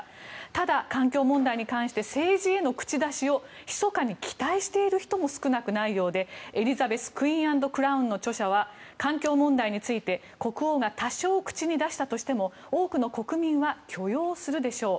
ただ、環境問題に関して政治への口出しをひそかに期待する人も少なくないようで「エリザベス：クイーン＆クラウン」の著者は国王が多少口に出したとしても多くの国民は許容するでしょう。